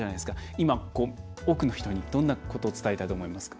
今、多くの人に、どんなことを伝えたいと思いますか。